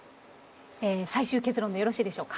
最終結論でよろしいでしょうか？